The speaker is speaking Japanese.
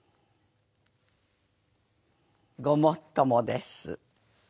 「ごもっともです。